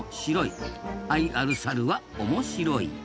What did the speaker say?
愛あるサルは面白い。